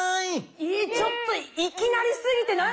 えちょっといきなりすぎてなに？